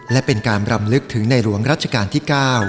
และเป็นการรำลึกถึงในหลวงรัชกาลที่๙